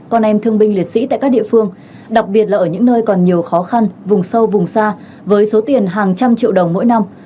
con em thương binh liệt sĩ tại các địa phương đặc biệt là ở những nơi còn nhiều khó khăn vùng sâu vùng xa với số tiền hàng trăm triệu đồng mỗi năm